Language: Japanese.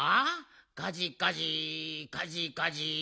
カジカジカジカジ。